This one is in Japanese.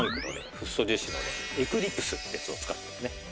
フッ素樹脂のエクリプスってやつを使っててね。